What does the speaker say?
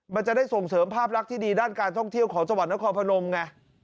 มันจะได้ส่งเสริมภาพลักษณ์ที่ดีด้านการท่องเที่ยวของจังหวัดนครพนมไง